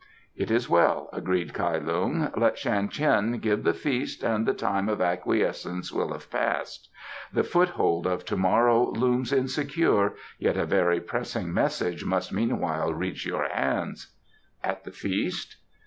"It is well," agreed Kai Lung. "Let Shan Tien give the feast and the time of acquiescence will have passed. ... The foothold of to morrow looms insecure, yet a very pressing message must meanwhile reach your hands." "At the feast?"